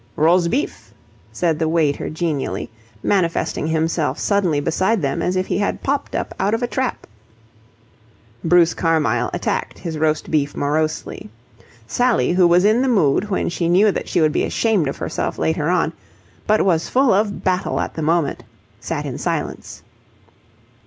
"Rosbif," said the waiter genially, manifesting himself suddenly beside them as if he had popped up out of a trap. Bruce Carmyle attacked his roast beef morosely. Sally who was in the mood when she knew that she would be ashamed of herself later on, but was full of battle at the moment, sat in silence.